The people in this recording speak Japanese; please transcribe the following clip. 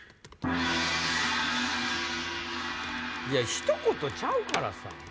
いやひと言ちゃうからさ。